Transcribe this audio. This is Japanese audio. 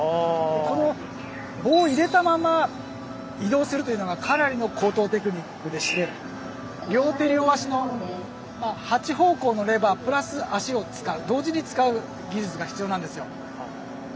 この棒を入れたまま移動するというのがかなりの高等テクニックでして両手両足の８方向のレバープラス足を同時に使う技術が必要なんですよ。